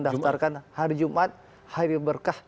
daftarkan hari jumat hari berkah